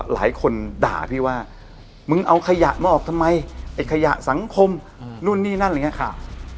หลายคนด่าพี่ว่ามึงเอาขยะมาออกทำไมไอ้ขยะสังคมนู่นนี่นั่นอะไรอย่างนี้